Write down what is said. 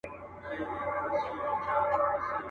د دنیا له کوره تاته ارمانجن راغلی یمه.